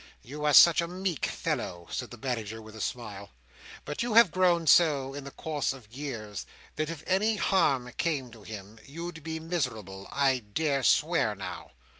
"You are such a meek fellow," said the Manager, with a smile,—"but you have grown so, in the course of years—that if any harm came to him, you'd be miserable, I dare swear now."